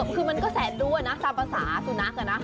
คือมันก็แสดรู้นะศาลประสาทสุนัขนะ